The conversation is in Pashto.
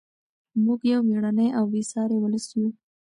موږ یو مېړنی او بې ساري ولس یو.